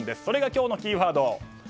それが今日のキーワード。